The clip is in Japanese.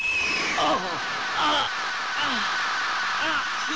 あっ！